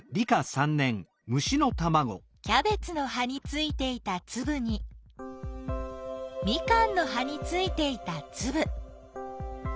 キャベツの葉についていたつぶにミカンの葉についていたつぶ。